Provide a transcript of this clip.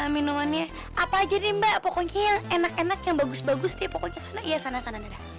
minumannya apa aja nih mbak pokoknya yang enak enak yang bagus bagus deh pokoknya sana iya sana sana dadah